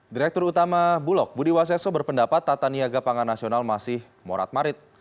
direktur utama bulog budi waseso berpendapat tata niaga pangan nasional masih morat marit